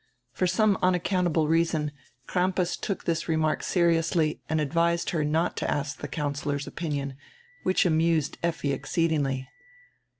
For some unaccountable reason Crampas took diis remark seriously and advised her not to ask the Coun cillor's opinion, which amused Effi exceedingly.